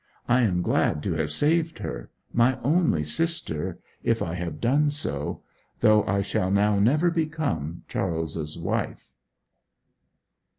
I am glad to have saved her my only sister if I have done so; though I shall now never become Charles's wife.